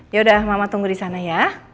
yaudah mama tunggu di sana ya